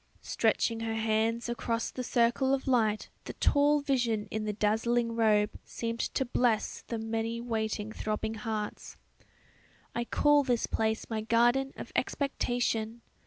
Stretching her hands across the circle of light the tall vision in the dazzling robe seemed to bless the many waiting throbbing hearts. "I call this place my garden of expectation!